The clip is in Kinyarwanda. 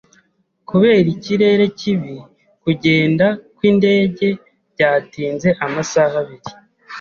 Kubera ikirere kibi, kugenda kwindege byatinze amasaha abiri.